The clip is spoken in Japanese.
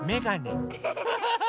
アハハハ！